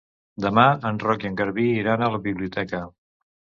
Demà en Roc i en Garbí iran a la biblioteca.